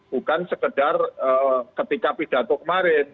bukan sekedar ketika pidato kemarin